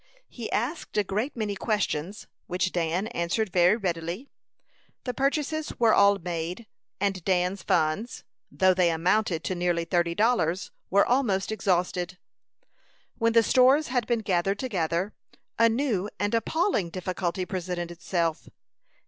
He asked a great many questions, which Dan answered very readily. The purchases were all made, and Dan's funds, though they amounted to nearly thirty dollars, were almost exhausted. When the stores had been gathered together, a new and appalling difficulty presented itself.